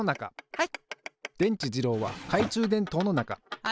はい。